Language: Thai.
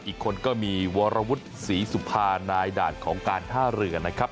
อีกคนก็มีวรวุฒิศรีสุภานายด่านของการท่าเรือนะครับ